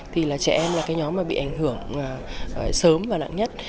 thì trẻ em là cái nhóm bị ảnh hưởng sớm và nặng nhất